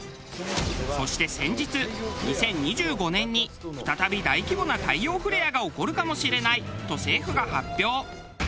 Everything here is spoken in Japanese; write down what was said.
そして先日２０２５年に再び大規模な太陽フレアが起こるかもしれないと政府が発表。